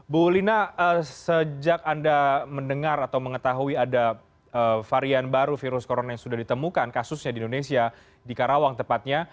bu lina sejak anda mendengar atau mengetahui ada varian baru virus corona yang sudah ditemukan kasusnya di indonesia di karawang tepatnya